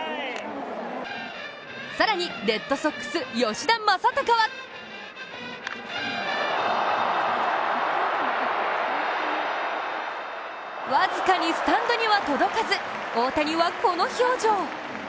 更に、レッドソックス・吉田正尚は僅かにスタンドには届かず大谷はこの表情。